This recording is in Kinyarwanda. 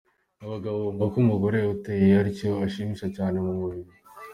Abagabo bumva ko umugore uteye atyo ashimisha cyane mu buriri.